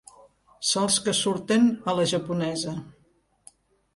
Sols que surten, a la japonesa.